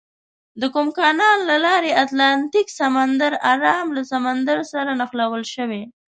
د کوم کانال له لارې اتلانتیک سمندر ارام له سمندر سره نښلول شوي؟